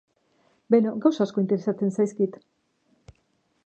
Beno, gauza asko interesatzen zaizkit.